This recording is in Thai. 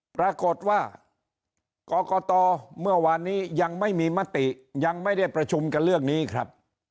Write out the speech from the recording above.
ปรากฏว่ากรกตเมื่อวานนี้ยังไม่มีมติยังไม่ได้ประชุมกันเรื่องนี้ครับ